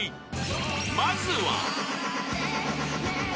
［まずは］